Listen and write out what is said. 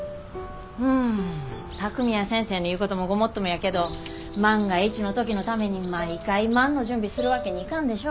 うん巧海や先生の言うこともごもっともやけど万が一の時のために毎回「万」の準備するわけにいかんでしょ。